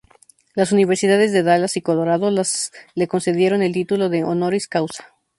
Las Universidades de Dallas y Colorado le concedieron el título de "honoris causa".